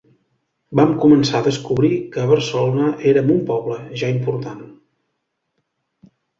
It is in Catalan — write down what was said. Vam començar a descobrir que a Barcelona érem un poble ja important.